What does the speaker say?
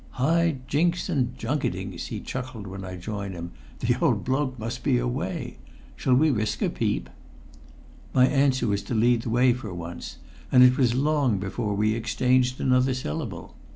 "High jinks and junketings!" he chuckled when I joined him. "The old bloke must be away. Shall we risk a peep?" My answer was to lead the way for once, and it was long before we exchanged another syllable.